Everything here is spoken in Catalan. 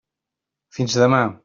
Fins demà.